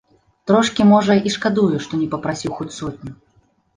Трошкі, можа, і шкадую, што не папрасіў хоць сотню.